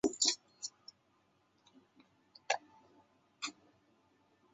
同年崔贵生辞去江西铜业执行董事职务。